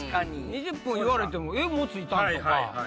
２０分言われてももう着いた！とか。